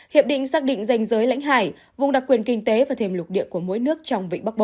hiệp định xác định danh giới lãnh hải vùng đặc quyền kinh tế và thềm lục địa của mỗi nước trong vịnh bắc bộ